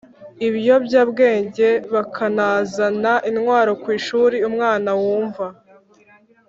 ibiyobyabwenge bakanazana intwaro ku ishuri Umwana wumva